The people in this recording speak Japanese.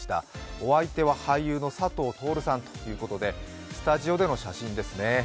お相手は俳優の佐藤達さんということでスタジオでの写真ですね。